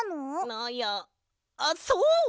あいやあっそう！